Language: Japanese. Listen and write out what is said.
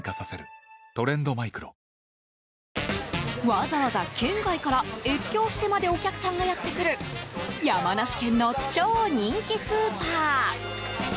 わざわざ県外から越境してまでお客さんがやってくる山梨県の超人気スーパー。